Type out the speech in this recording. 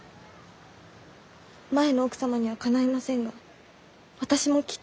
前の奥様にはかないませんが私もきっと。